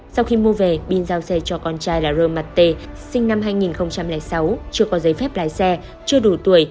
sau khi mua về pin giao xe cho con trai là roma t sinh năm hai nghìn sáu chưa có giấy phép lái xe chưa đủ tuổi